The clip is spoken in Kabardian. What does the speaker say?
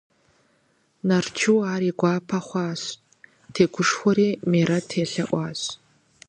Нарчу ар и гуапэ хъуащ, тегушхуэри Мерэт елъэӀуащ.